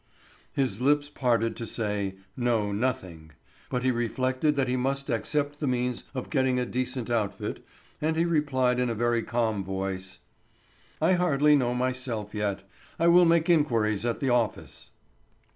His lips parted to say, "No, nothing." But he reflected that he must accept the means of getting a decent outfit, and he replied in a very calm voice: "I hardly know myself, yet. I will make inquiries at the office."